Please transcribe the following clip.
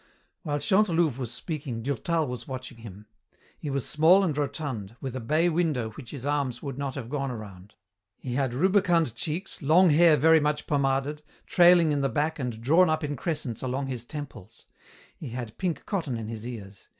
While Chantelouve was speaking, Durtal was watching him. He was small and rotund, with a bay window which his arms would not have gone around. He had rubicund cheeks, long hair very much pomaded, trailing in the back and drawn up in crescents along his temples. He had pink cotton in his ears.